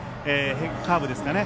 カーブですかね。